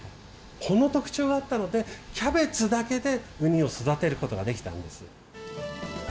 この特徴があったのでキャベツだけでウニを育てることができたんです。